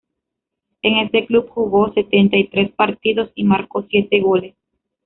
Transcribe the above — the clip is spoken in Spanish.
En este club jugó setenta y tres partidos y marcó siete goles.